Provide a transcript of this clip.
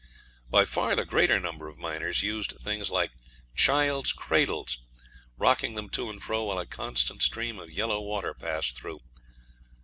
By far the greater number of miners used things like child's cradles, rocking them to and fro while a constant stream of yellow water passed through.